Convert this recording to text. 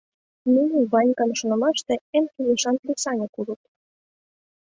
Нуно, Ванькан шонымаште, эн кӱлешан кресаньык улыт.